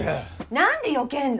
なんでよけんの？